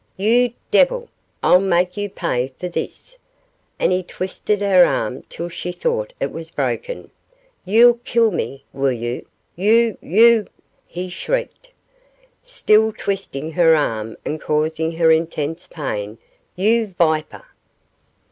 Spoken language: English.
'You devil! I'll make you pay for this,' and he twisted her arm till she thought it was broken. 'You'll kill me, will you? you! you!' he shrieked, still twisting her arm and causing her intense pain, 'you viper!